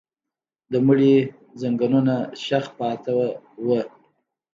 د مړي ځنګنونه شخ پاتې وو.